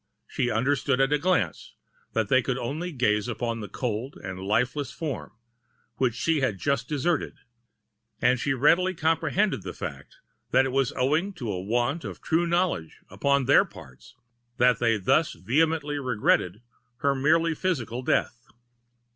She understood at a glance that they could only gaze upon the cold and lifeless form, which she had but just deserted; and she readily comprehended the fact that it was owing to a want of true knowledge upon their parts that[Pg 200] they thus vehemently regretted her merely physical death.